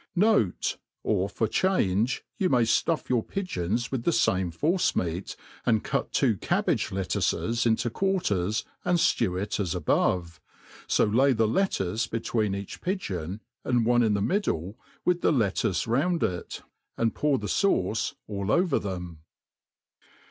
Note, Or for change, you may ftufF your pigeons with the fame force meat, and cut two cabbage lettuces into quarters, and ftew it as above : fo lay the lettuce between each pigeon, and one in the middle, with the lettuce round it, and pour the fauce all over them.